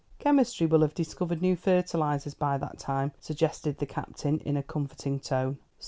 "Chemistry will have discovered new fertilisers by that time," suggested the Captain, in a comforting tone.